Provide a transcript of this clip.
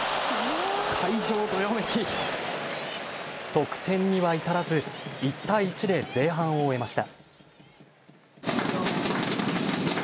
得点には至らず１対１で前半を終えました。